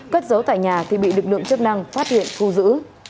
cất giấu tại nhà thì bị lực lượng chức năng phát hiện thu giữ